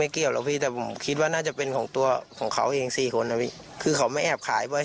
กลัวครั้งไหนโดนอะไรบ้าง